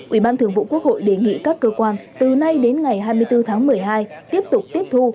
ủy ban thường vụ quốc hội đề nghị các cơ quan từ nay đến ngày hai mươi bốn tháng một mươi hai tiếp tục tiếp thu